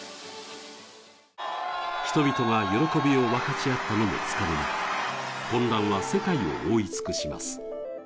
人々が喜びを分かち合ったのもつかの間、混乱は世界を覆い尽くします。